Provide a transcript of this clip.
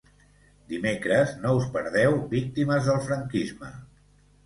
Dimecres no us perdeu Víctimes del franquisme.